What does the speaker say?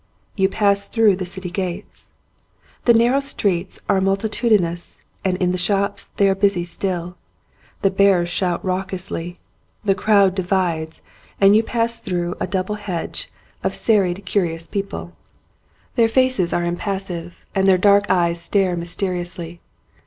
You pass through the city gates. The narrow streets are multi tudinous and in the shops they are busy still. The bearers shout raucously. The crowd divides and you pass through a double hedge of serried 40 THE INN curious people. Their faces are impassive and their dark eyes stare mysteriously.